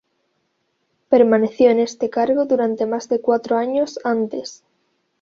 Permaneció en este cargo durante más de cuatro años antes.